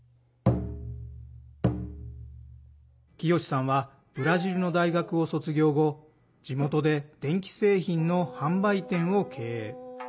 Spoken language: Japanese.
清さんはブラジルの大学を卒業後地元で電気製品の販売店を経営。